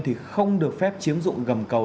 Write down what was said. thì không được phép chiếm dụng gầm cầu